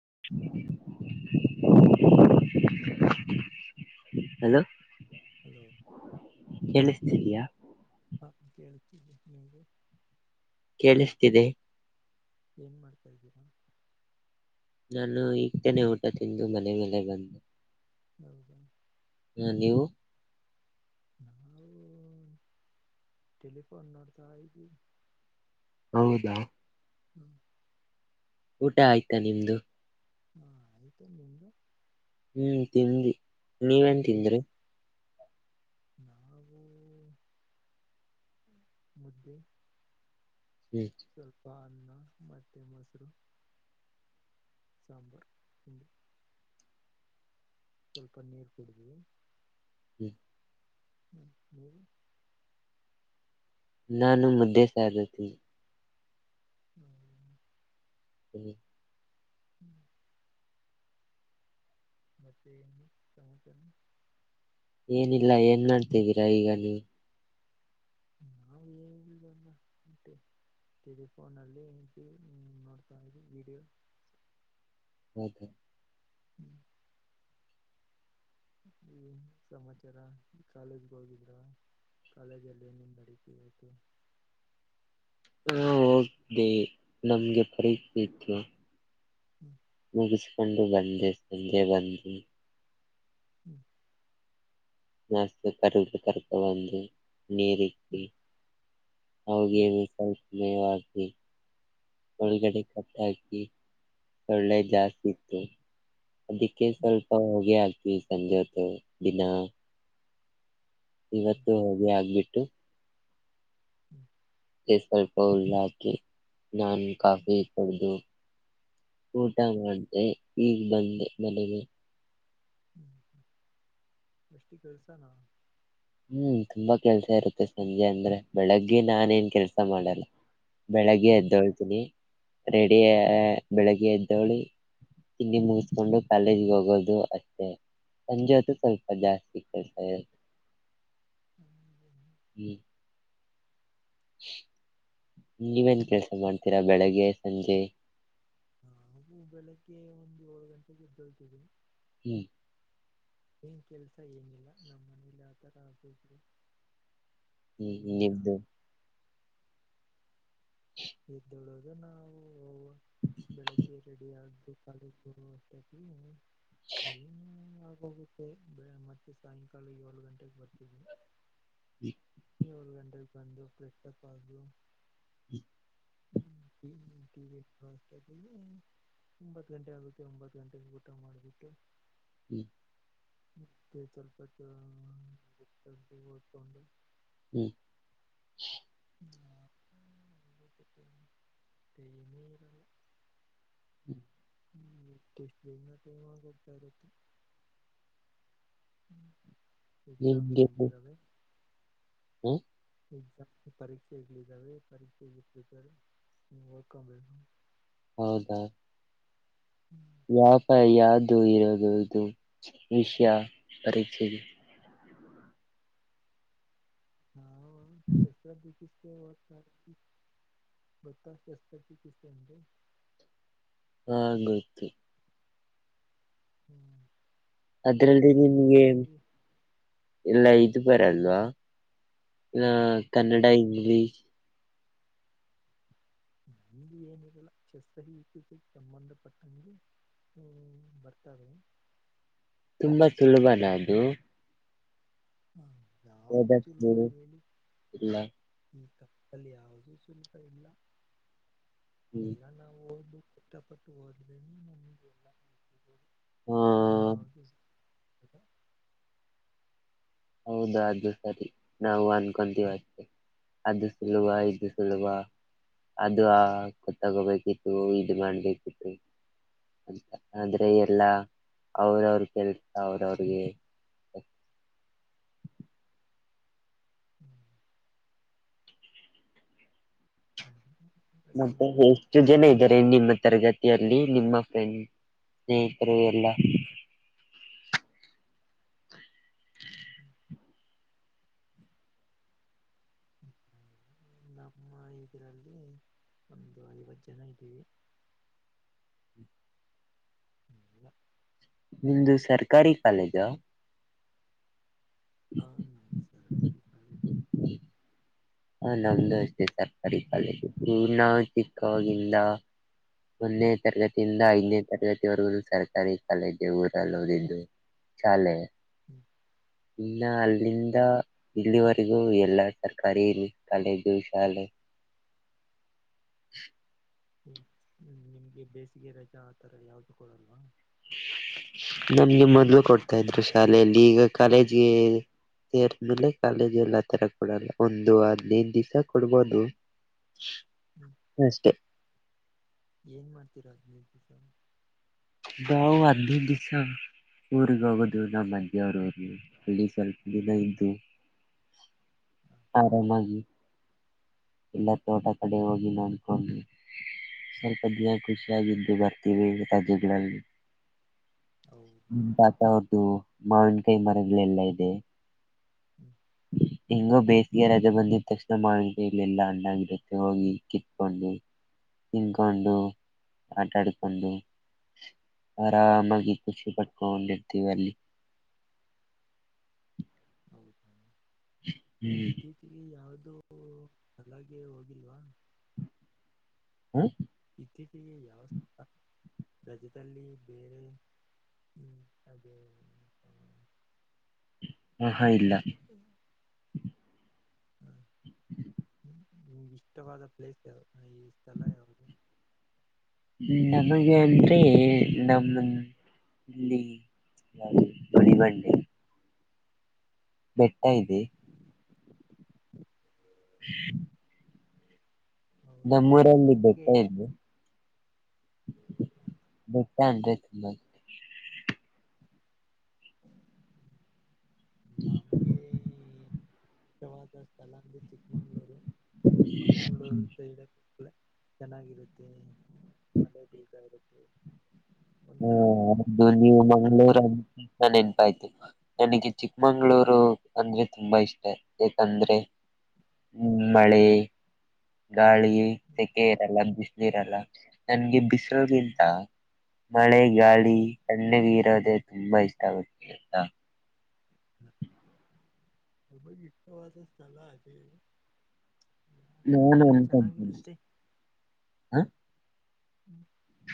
[inaudible] hello [inaudible] ಕೇಳಿಸ್ತೀದ್ಯ [inaudible] ಕೇಳಿಸ್ತಿದೆ ಏನ್ ಮಾಡ್ತಾದೀರಾ ನಾನು ಈಗ್ತೇನೆ ಊಟ ತಿಂದು ಮನೆ ಮೇಲೆ ಬಂದು [inaudible] ಅ ನೀವು ನಾವು ಟೆಲಿಫೋನ್ ನೋಡ್ತಾ ಇದೀವಿ ಹೌದಾ ಹ್ಮ್ [inaudible] ಊಟ ಆಯ್ತಾ ನಿಮ್ದು ಹಾ ಅತ ನಿಂದು [inaudible] ಹ್ಮ್ ತಿಂಡ್ವಿ ನೀವೇನ್ ಏನ್ ತಿಂದ್ರಿ ನಾವು ಮುದ್ದೆ ಹ್ಮ್ [unintelligible] ಕಲ್ ಮಟ್ಟೆ ಮೊಸರು ಸಾಂಬಾರ್ [inaudible] ಸ್ವಲ್ಪ ನೀರು ಕುಡಿದ್ವಿ ಹ್ಮ್ ಹ್ಮ ಹ [inaudible] ನಾನು ಮುದ್ದೆ ಸಾರು ತಿಂದೆ ಹ್ಮ [inaudible] ಹ್ಮ ಹ್ಮ್ ಮತ್ತೆ ಏನು ಸಮಾಚಾರ ಏನಿಲ್ಲ ಏನ್ ಮಾಡ್ತಿದೀರ ಈಗ ನೀವು ನಾ [inaudible] ವನ್ನಟ್ಟೆ ಟೆಲಿಫೋನ್ ಅಲ್ಲಿ ಎನ [unintelligible] ಹ್ಮ ನೋಡ್ತಾ [inaudible] ವೀಡಿಯೋ ಹೌದು [unintelligible] ಹ್ಮ್ ಹ್ಮಏನ್ ಸಮಾಚಾರ ಕಾಲೇಜ್ಗೆ ಹೋಗಿಡಡ್ರಾ ಕಾಲೇಜ್ ಏನೇನ್ ನಡೀತು ಇವತ್ತು ಹಾ ಹೋಗ್ದೆ ನಮ್ಗೆ [unintelligible] ಫರೀಕ್ ಇತ್ತು ಹ್ಮ್ ಮುಗಿಸಕೊಂಡು ಬಂದೆ ಸಂಜೆ ಬಂದು [unintelligible] ಹ್ಮ್ [unintelligible] ನಸು ಕರು ಕರುಕಂದು [unintelligible] ನೀರಿಕ್ಕಿ ಅವಿಗೆನು ಸ್ವಲ್ಪಮೇವಕೀ ಒಳಗಡೆ ಕಟ್ಟ ಹಾಕಿ ಸೊಳ್ಳೆ ಜಾಸ್ತಿ ಇತ್ತು ಅದಿಕ್ಕೆ ಸ್ವಲ್ಪ ಹೊಗೇ ಆಕೀ ಸಂಜೆ ಹೊತ್ತು ದಿನ ಇವತ್ತು ಹೋಗಿ [unintelligible] ಆಗ್ಬಿಟ್ಟು ಹ್ಮ್ ಸ್ವಲ್ಪ [unintelligible] ಉಲ್ಲ ಹಾಕಿ ನಾನು ಕಾಫಿ ಎಕ್ಕೊಂಡು ಊಟ ಮಾಡ್ದೆ ಈಗ್ ಬಂದೆ ಮನೆಗೆ ಹ್ಮ [unintelligible] ಗಷ್ಟಿ ಕಸಾನ ಹ್ಮ್ ತುಂಬಾ ಕೆಲ್ಸ ಇರುತ್ತೆ ಸಂಜೆ ಅಂದ್ರೆ ಬೆಳಗ್ಗೆ ನಾನೇನ್ ಕೆಲ್ಸ ಮಾಡಲ್ಲ ಬೆಳಗ್ಗೆ ಎದ್ದೋಳ್ತೀನಿ ರೆಡಿ [unintelligible] ಬೆಳಿಗ್ಗೆ ಎದ್ದೋಳಿ ತಿಂಡಿ ಮುಗಿಸ್ಕೊಂಡು ಕಾಲೇಜ್ ಗೆ ಹೋಗೋದು ಅಷ್ಟೇ ಸಂಜೆ ಹೋತ್ತು ಸ್ವಲ್ಪ ಜಾಸ್ತಿ ಕೆಲಸ ಇರುತ್ತೆ ಹ್ಮ್ [unintelligible] [inaudible] ನೀವೇನ್ ಕೆಲ್ಸ ಮಾಡ್ತೀರಾ ಬೆಳಿಗ್ಗೆ ಸಂಜೆ ನವು ಬೆಳಿಗ್ಗೆ ಒಂದ್ ಏಳು ಗಂಟೆಗೆ ಹೇದೇತಿವಿ ಹ್ಮ್ ಏನ್ ಕೆಲ್ಸ ಏನಿಲ್ಲ ನಮ್ಮ ಮನೇಲಿ ಆತರ ಆಗ್ [unintelligible] ದ್ರು ಹ್ಮ್ದ [unintelligible] ಇದ್ದಳದು ನಾವು ಹ [unintelligible] ಬೆಳಿಗ್ಗೆ ರೆಡಿ ಆಗು ಕಾಲ ಶುರುವಷ್ಟಾಗಿ ಟೈಮ್ [unintelligible] ಹೋಗುತ್ತೆ ಮತ್ತೆ ಸಾಯಂಕಾಲ ಏಳ ಗಂಟೆಗೆ ಬರ್ತಿದ್ವಿ ಹ್ಮ ಏಳು ಗಂಟೆಗೆ ಬಂದು ಫ್ರೆಶ್ ಅಪ್ ಆದ್ರೂ [inaudible] ಒಂಬತ್ ಗಂಟೆ ಆಗುತ್ತೆ ಒಂಬತ್ತು ಗಂಟೆಗೆ ಊಟ ಮಾಡ್ಬಿಟ್ಟು ಹ್ಮ್ ಮತ್ತೆ ಸ್ವಲ್ಪ ಹೊತ್ತು ಬುಕ್ ತೆಗ್ದಿ ಓದ್ಕೊಂಡು [inaudible] ಹ್ಮ್ [inaudible] ಟೈಮೇ ಇರಲ್ಲ ಟೈಮಾಗೋಗಿರುತ್ತೆ [inaudible] ಎಕ್ಸಾಮ್ಸ್ ಓಂದಿದಾವೆ ಹ್ಮ ಎಕ್ಸಾಮ್ ಪರೀಕ್ಷೆಗಳಿದಾವೆ ಪರೀಕ್ಷೆ ನೀವು ಓದ್ಕೋಬೇಕು ಹೌದಾ ವ್ಯಾಪಾರ ಯಾದು ಇರುದುದು ವಿಷಯ ಪರೀಕ್ಷೆಗೆ ಹಾ [unintelligible] [inaudible] ಹ ಗೊತ್ತು ಹ್ಮ್ [unintelligible] ಅದ್ರಲ್ಲಿ ಅದರಲ್ಲಿ ನಿಮಗೆ ಓದ್ತಾ ಇದ್ವಿ ಎಲ್ಲ ಇದು ಬರಲ್ವಾ ಹ ಕನ್ನಡ ಇಂಗ್ಲಿಷ್ ನಂದು ಏನರಲ್ಲ [unintelligible] ಕೆಸಿಸಿ ಸಂಬಂಧಪಟ್ಟಂತೆಗೆ ಹ್ಮ್ ಬರ್ತಾವೆ ತುಂಬಾ ಸುಲಭನದು ಹ್ಮ ನೋಡು ಇಲ್ಲ [inaudible] ಕಪ್ಪಲ್ಲಿ ಯಾದೂ ಸುಲಭ ಇಲ್ಲ ಹ್ಮ್ ಎಲ್ಲ ನಾವು ಓದು ಕಷ್ಟಪಟ್ಟು ಹೋದ್ರೇನೆ ನಮಗೆ ಎಲ್ಲ ಹ ಯಾವ್ದು ಕ [unintelligible] ಹೌದು ಅದು ಸರಿ ನಾವು ಅನ್ಕೊಂತೀವಿ ಅಷ್ಟೆ ಅದು ಸುಲ್ಲುಬ ಇದು ಸುಲ್ಲುಬ ಅದು ಆ ತಗೋಬೇಕಿತ್ತು ಇದ್ ಮಾಡ್ಬೇಕಿತ್ತು ಆದ್ರೆ ಎಲ್ಲಾ ಅವ್ರವ್ರ ಕೆಳ್ತ ಅವ್ರವ್ರಿಗೆ ಹ ಮತ್ತೆ ಎಷ್ಟು ಜನ ಇದ್ದಾರೆ ನಿಮ್ಮ ತರಗತಿಯಲ್ಲಿ ನಿಮ್ಮ ಫ್ರೆಂಡ್ ಸ್ನೇಹಿತರು ಎಲ್ಲಾ ಹ್ಮ್ [unintelligible] ನಮ್ಮ ಇದರಲ್ಲಿ ಒಂದು ಐವತ್ತು ಜನ ಇದ್ದೀವಿ ಹ್ಮ ಇಲ್ಲ [unintelligible] ನಿಮ್ದ ಸರ್ಕಾರಿ ಕಾಲೇಜ ಹೌದ ನ ಸರಿ [inaudible] ಹ ನಮ್ದು ಅಷ್ಟೇ ಸರ್ಕಾರಿ ಕಾಲೇಜು ನಾವು ಚಿಕ್ಕಾಗಿಂದ ಮೊನ್ನೆ ತರಗತಿಯಿಂದ ಐದನೇ ತರಗತಿವರೆಗೂ ಸರ್ಕಾರಿ ಕಾಲೇಜೆ ಊರಲ್ಲೋದಿದ್ದು ಶಾಲೆ ಹ್ಮ್ ಇನ್ನ ಅಲ್ಲಿಂದ ಇಲ್ಲಿವರೆಗೂ ಎಲ್ಲ ಸರ್ಕಾರಿ ಹಿರಿ ಕಾಲೇಜುಶಾಲೆ [inaudible] ಹ್ಮ್ಮ ನಿಮ್ಗೆ ಬೇಸಿಗೆ ರಜಾ ಆ ತರ ಯಾವ್ದು ಕೊಡಲ್ವಾ ನಮ್ಗೆ ಮೊದ್ಲು ಕೊಡ್ತಾ ಇದ್ರು ಶಾಲೆಯಲ್ಲಿ ಈಗ ಕಾಲೇಜ್ಗೆ ಸೇರ್ಡ್ಮೆಲೆ ಮೇಲೆ ಕಾಲೇಜಲ್ಲಾತಾರ ಕೊಡಲ್ಲ ಒಂದ್ ಐದಿನೈದು ದಿವಸ ಕೊಡಬಹುದು ಹ್ಮ್ [inaudible] ಅಷ್ಟೇ ಏನ್ ಮಾಡ್ತೀರಾ ಅದನೇರ್ ದಿವಸ ದಾಾವ ಅಧಿ ದಿಸ ಊರ್ಗ್ ಹೋಗೋದು ನಮ್ಮ ಮನ್ದೇವ್ರಿಗೆಹೋಗಿ ಅಲ್ಲಿಿ ಸ್ವಲ್ಪ ದಿನ ಇದ್ದು [unintelligible] ಆರಾಮಾಗಿ ಎಲ್ಲ ತೋಟ ಕಡೆ ಹೋಗಿ ನ ಅನ್ಕೊಂಡವಿ ಸ್ವಲ್ಪದಿನ ಖುಷಿಯಾಗಿದ್ದು ಬರ್ತೀವಿ ರಾಜೆಗಳಲ್ಲಿ ಹೌದಾ ನಮ್ತಾತಾವ್ರುದು ಮಾವಿನ ಕೈ ಮರಗಳೆಲ್ಲಾ ಇದೆ ಹ್ಮ್ ಹಿಂಗೋ ಬೇಸಿಗೆ ರಜೆ ಬಂದಿದ ತಕ್ಷಣ ಮಾವೆಂಕಾಯಿ ಇಲ್ಲ ಎಲ್ಲ ಅ್ಣಾಗಿರುತ್ತೆ ಹೋಗಿ ಕಿತ್ಕೊಂಡು [inaudible] ತಿಿಂದಕೊಂಡು ಆಟಾಡಿಕೊಂಡು [inaudible] ಆರಾಮಾಗಿ ಖುಷಿ ಪಟ್ಕೊಂಡಿರ್ತೀವಿ ಅಲ್ಲಿ [inaudible] ಹ್ಮ್ ನಿಗತ್ತೀಚಿಗೆ ಯಾವ್ದ ಅದು ಅಲೆ ಹೋಗಿಲ್ವಾ ಇತ್ತೀಚಿಗೆ ಯಾವಸ್ಥಳ ರಜದಲ್ಲಿ ಬೇರೆ [inaudible] ಹ್ಮ ಅದೇ [unintelligible] ಹ ಹಾ ಇಲ್ಲ ಹ್ಮ್ [inaudible] ಹ್ಮ [inaudible] ಇಷ್ಟವಾದ ಪ್ಲೇಸ್ ಯ ಈ ಸ್ಥಳ ಯಾವುದು [inaudible] ನಮಗೆ ಅಂದ್ರೆ ನಮ್ಮ ಇಲ್ಲಿ ಯಾವ್ದು [unintelligible] ಬೆಟ್ಟ ಹ್ಮ್ ಇದೆ [unintelligible] ಹೌದಾ ನಮ್ಮೂಊರಲ್ಲಿ ಬೆಟ್ಟ ನಮಗೆ ಚಿ ಇದೆ [inaudible] ಬೆಟ್ಟ ಅಂದ್ರೆ ಹ [inaudible] ನಮ್ಗೆ ಇಷ್ಟವಾದಷ್ಟತಲ್ಲ ಚಿಕ್ಕಮಂಗ್ಗಳೂರು [inaudible] ಚಿಕ್ಕಮಗಳೂರು ಸೈಡೂ ಚೆನ್ನಾಗಿರುತ್ತೆ ಮಳೆ ಬೀಳತಾಇರುತ್ತೆ ಹಾದುನ ಮಂಗಳೂರು ಚೆನ್ನಾಗಿರುತ್ತೆ [unintelligible] ಅ ನೆನಪಾಯ್ತಿು ನನಗೆ ಚಿಕ್ಕಮಂಗ್ಗಳೂರು ಅಂದ್ರೆ ತುಂಬಾ ಇಷ್ಟ ಯಾಕಂದ್ರೆ ಹ ಮಳೆ ಗಾಳಿ ಸೆಕೆ ಇರಲ್ಲ ಬಿಸಲು ಇರಲ್ಲ ನನ್ಗೆ ಬಿಸಿಲುಗಿಂತ [inaudible] ಮಳೆ ಗಾಳಿ ತಣ್ಣಿಗೆ ಇರೋದೆ ತುಂಬಾ ಇಷ್ಟ ಆಗುತ್ತೆ ನಮಗೆ ಇಷ್ಟವಾದಸ್ಥಳ ಅದೇ ಯಾಕಂದ್ರೆ [unintelligible] ಚೆನ್ನಾಗಿರುತ್ತೆ ಹ ಹ್ಮ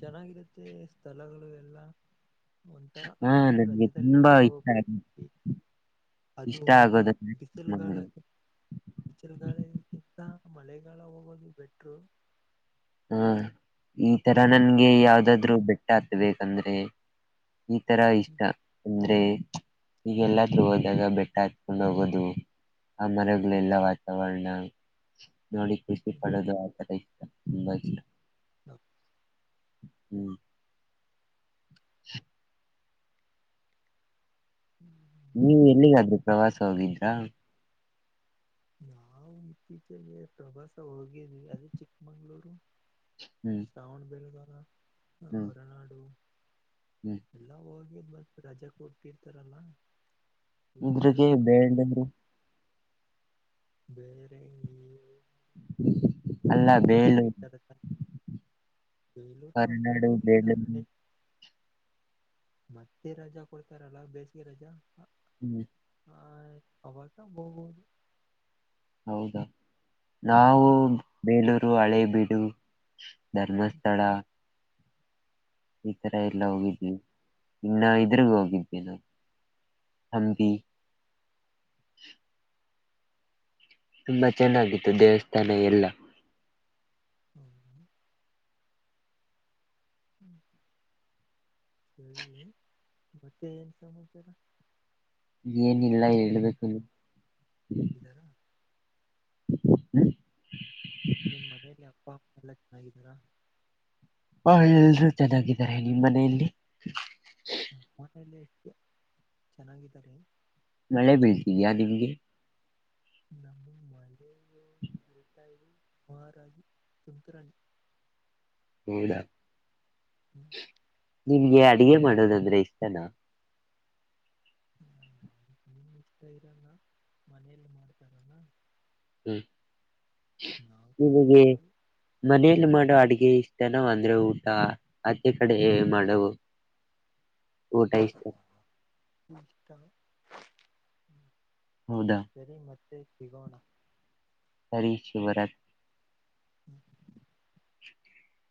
ಚೆನ್ನಾಗಿರುತ್ತೆ ಸ್ಥಳಗಳು ಎಲ್ಲಾ ಹಾ ತುಂಬಾ ಇಷ್ಟ ಹೋಗೋಗ್ಬೇಕು ಅದು ಇಷ್ಟ ಆಗೋದು ಬಿಸಿಲುಗಾಳ ಚಿಕ್ಮಂಗ್ಳೂರ್ ಬಿಸಿಲುಗಾಳಕ್ಕಿಂತ [unintelligible] [inaudible] [unintelligible] [inaudible] [unintelligible] [inaudible] [unintelligible] [unintelligible] [inaudible] ಮಳೆಗಾಲ ಹೋಗೋದು ಬೆಟ್ರು ಹಾ ಈ ತರ ನನ್ಗೆ ಹ್ಮ್ ಯಾವ್ದಾದ್ರು ಬೆಟ್ಟ ಹಗ್ಬೇಕಂದ್ರೆ ಈ ತರ ಇಷ್ಟ ಹ್ಮ್ ಒ ಈಗೆಲ್ಲ ತಿಗೋದಾಗ ಬೆಟ್ಟ ಹಾತ್ಕೊಂಡ್ ಹೋಗೋದು ಅಮರ ಲೇಲ್ಲಾ ವಾತಾವರಣ ನ ನೋಡಿ ಖುಷಿ ಪಡೋದು ಆಥರ ಇಷ್ಟ ತುಂಬಾ ಇಷ್ಟ ಹ ಹ್ಮ್ ಹ್ಮ್ ನೀವು ಮತ್ತೆ ಎಲ್ಲಿಗಾದ್ರು ಪ್ರವಾಸ ಹೋಗಿದ್ರಾ ನಾವು ಇತ್ತೀಚೆಗೆ ಪ್ರವಾಸ ಹೋಗಿದ್ವಿ ಅದೇ ಚಿಕ್ಕಮಂಗ್ಳೂರು ಹ್ಮ್ ಶ್ರಾವಣಬೇಳಗುಳ ಹ್ಮ್ ಹೊರನಾಡು ಹ್ಮ್ ಎಲ್ಲ ಹೋಗ ಮ ರಜೆ ಕೊಡ್ತಿಿರ್ತಾರಲ್ಲ ಇದ್ರ [unintelligible] ಬೇರೆ ಈ ಅಲ್ಲ ರಜೆ ಕೊಡ್ತ ಬೇಳೂರು ಇರ್ತಾರಲ್ಲ ಬೆಂಗಳೂರು ಆ ಸೈಡ್ ಹೊರನಾಡು ಹೋಗಿಲ್ಲ ಬೇಲೂರು ಮತ್ತೆ ರಜಾ ಕೊಡ್ತಾರಲ್ಲ ಬೇಸಿಗೆ ರಜಾ ಹ್ಮ್ ಆ ಅವಾಗ ಹೋಗೋದು ಹೌದಾ ನಾವು [unintelligible] ಹಳೆಬೀಡು ಧರ್ಮಸ್ಥಳ ಈ ಕಡೆ ಎಲ್ಲ ಹೋಗಿದ್ವಿ ಇನ್ನ ಇದ್ರಗ ಹೋಗಿದ್ದೆ ನಾ ಹಂದಿ [inaudible] ತುಂಬಾ ಚೆನ್ನಾಗಿತ್ತು ದೇವಸ್ಥಾನ ಎಲ್ಲಾ ಹ್ಮ್ ಹ್ಮ್ [unintelligible] [inaudible] ಸರಿ ಮತ್ತೆ ಏನ್ ಸಮಾಚಾರ ಏನಿಲ್ಲ ನಿಮ್ ಹೇಳ್ಬೇಕು ನೀ ಇದ್ದಾರಾ ಹ [unintelligible] ನಿಮ್ ಮನೆಯಲ್ಲಿ ಅಪ್ಪ ಅಪ್ಪ ಎಲ್ಲಾ ಚೆನ್ನಾಗಿದ್ದಾರಾ ಬಹಳರು ಚೆನ್ನಾಗಿದ್ದಾರೆ ನಿಮ್ಮ್ ಮನೆಯಲ್ಲಿ ಎಲ್ಲ ಚೆನ್ನಾಗಿದ್ದಾರಾ ನಮ್ಮ ಮನೆಯಲ್ಲಿ ಎಷ್ಟು ಚೆನ್ನಾಗಿದ್ದಾರೆ ಮಳೆ ಬೀಳ್ತಿದ್ದೀಯಾ ನಿಮಗೆ ನಮ್ಮ ಮಳೆಯೇಟ ಮಮಾರಾಗಿ ತುಂತುರಾಣಿ [unintelligible] [inaudible] [unintelligible] ಹ್ಮ್ [unintelligible] ನಿಮ್ಗೆ ಅಡಗೆ ಮಾಡೋದಂದ್ರೆ ಇಷ್ಟನಾ ಹ್ಮ ಇಷ್ಟ ಇರಲ್ಲ ಮನೆಯಲ್ಲಿ ಮಾಡ್ತಾರಣ ಹ್ಮ ನಿಮಗೆ ತಿಂದಿರೋದು ಮನೆಯಲ್ಲಿ ಮಾಡುವ ಆ ಅಗೆ ಇಷ್ಟನ ಅಂದ್ರೆ ಊಟ ಅದೇ ಕಡೆ ಮಾಡವು ಹ [unintelligible] ಹೌದಾ ಸರಿ ಮತ್ತೆ ಸಿಗೋಣ ಸರಿ ಶಿವರಾಜು ಹ್ಮ [unintelligible] ಸ [unintelligible]